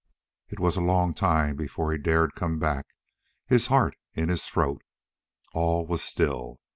It was a long time before he dared come back, his heart in his throat. All was still.